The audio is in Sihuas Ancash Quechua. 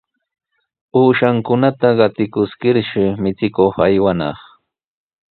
Uushankunata qatikuskirshi michikuq aywanaq.